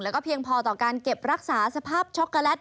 แล้วก็เพียงพอต่อการเก็บรักษาสภาพช็อกโกแลต